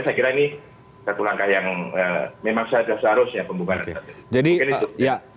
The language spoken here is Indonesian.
saya kira ini satu langkah yang memang seharusnya pembubaran satgas